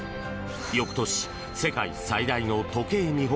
翌年、世界最大の時計見本